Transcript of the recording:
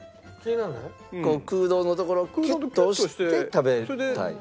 空洞のところをキュッと押して食べたい。